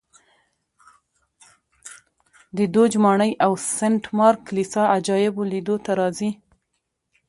د دوج ماڼۍ او سنټ مارک کلیسا عجایبو لیدو ته راځي